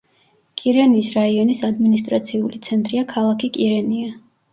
კირენიის რაიონის ადმინისტრაციული ცენტრია ქალაქი კირენია.